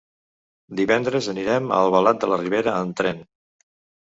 Divendres anirem a Albalat de la Ribera amb tren.